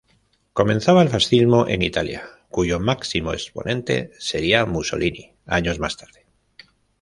Comenzaba el fascismo en Italia, cuyo máximo exponente sería Mussolini años más tarde.